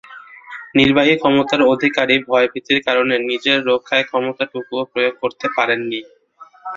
নির্বাহী ক্ষমতার অধিকারী ভয়ভীতির কারণে নিজের রক্ষায় ক্ষমতাটুকুও প্রয়োগ করতে পারেননি।